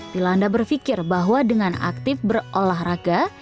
bila anda berpikir bahwa dengan aktif berolahraga